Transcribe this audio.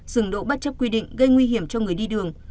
dừng đỗ bất chấp quy định gây nguy hiểm cho người đi đường